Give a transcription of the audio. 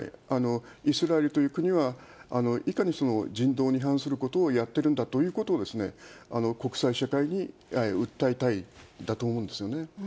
イスラエルという国は、いかに人道に反することをやってるんだということを、国際社会に訴えたいんだと思うんですよね。